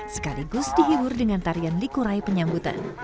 sekaligus dihibur dengan tarian likurai penyambutan